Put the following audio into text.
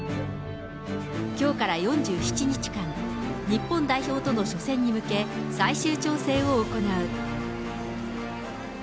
きょうから４７日間、日本代表との初戦に向け、最終調整を行う。